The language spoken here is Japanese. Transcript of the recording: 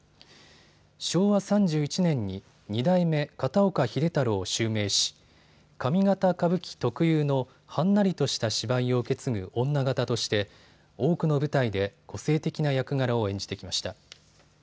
昭和３１年に二代目片岡秀太郎を襲名し上方歌舞伎特有のはんなりとした芝居を受け継ぐ女形として多くの舞台で個性的な役柄を演じてきました。